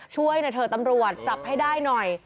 ช่วยหน่อยเถอะตำรวจจับให้ได้หน่อย